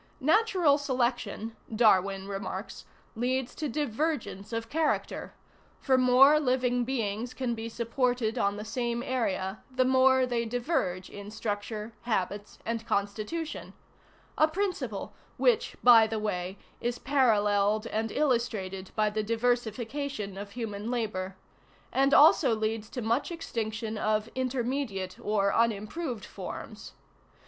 "Natural selection," Darwin remarks, "leads to divergence of character; for more living beings can be supported on the same area the more they diverge in structure, habits, and constitution," (a principle which, by the way, is paralleled and illustrated by the diversification of human labor,) and also leads to much extinction of intermediate or unimproved forms.